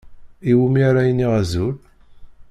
Iwumi ara iniɣ azul?